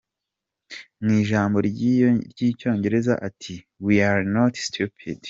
Mu ijambo ry’icyongereza ati: “ We are not stupid”.